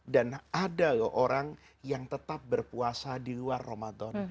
dan ada loh orang yang tetap berpuasa di luar ramadan